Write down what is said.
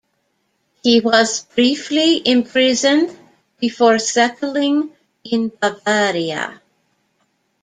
He was briefly imprisoned before settling in Bavaria.